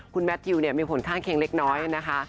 คุณแมททิวมีผลข้างเคียงเล็กน้อยนะคะ